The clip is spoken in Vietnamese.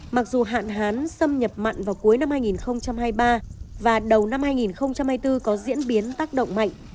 mặc dù hạn hán xâm nhập mặn vào cuối năm hai nghìn hai mươi ba và đầu năm hai nghìn hai mươi bốn có diễn biến tác động mạnh